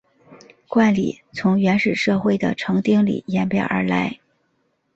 冠礼从原始社会的成丁礼演变而来。